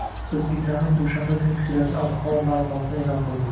O‘zgidromet dushanba kuni kutilayotgan ob-havo ma’lumotini e’lon qildi